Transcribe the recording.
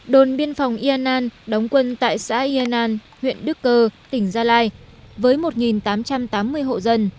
đồn biên phòng yannan đóng quân tại xã yannan huyện đức cơ tỉnh gia lai với một tám trăm tám mươi hộ dân